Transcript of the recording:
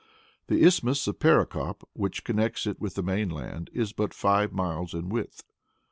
The isthmus of Perikop, which connects it with the mainland, is but five miles in width.